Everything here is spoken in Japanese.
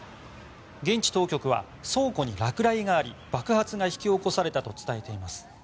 現地当局は倉庫に落雷があり爆発が引き起こされたと伝えています。